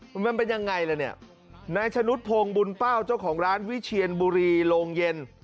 มันเป็นยังไงล่ะเนี่ยนายชะนุดพงศ์บุญเป้าเจ้าของร้านวิเชียนบุรีโรงเย็น